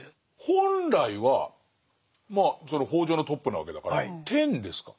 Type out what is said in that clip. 本来はまあ北条のトップなわけだから天ですか？